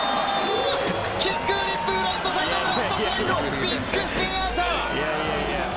キックフリップフロントサイドフロントスライド、ビッグスピンアウト！